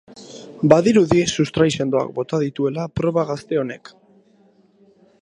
Badirudi sustrai sendoak bota dituela proba gazte honek.